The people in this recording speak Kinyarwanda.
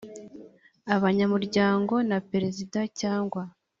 abanyamuryango na perezida cyangwa